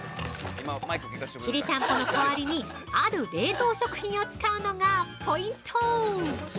きりたんぽの代わりにある冷凍食品を使うのがポイント。